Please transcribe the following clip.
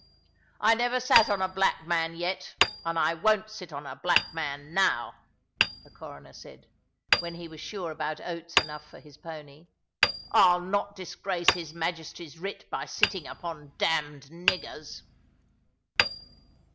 "I never sate on a black man yet, and I won't sit on a black man now," the Coroner said, when he was sure about oats enough for his pony; "I'll not disgrace his Majesty's writ by sitting upon damned niggers."